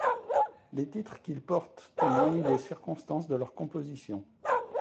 Les titres qu'ils portent témoignent des circonstances de leur composition.